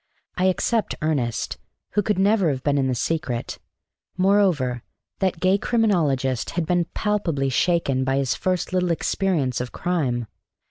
I except Ernest, who could never have been in the secret; moreover, that gay Criminologist had been palpably shaken by his first little experience of crime.